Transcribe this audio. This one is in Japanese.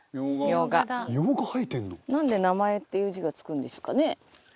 なんで「名前」っていう字が付くんですかね。